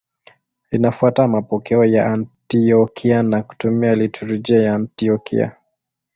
Linafuata mapokeo ya Antiokia na kutumia liturujia ya Antiokia.